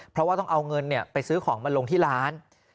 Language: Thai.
เพราะว่าต้องเอาเงินไปซื้อของมาลงที่ร้าน